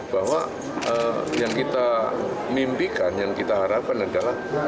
bahwa yang kita mimpikan yang kita harapkan adalah